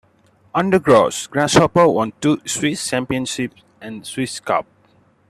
Under Gross, Grasshopper won two Swiss championships and the Swiss Cup.